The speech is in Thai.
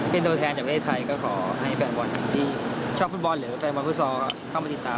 เป็นตอนแทนกับเวลาไทยขอให้แฟนบอลที่ชอบฟุตบอลหรือแฟนบอลฟุตซอล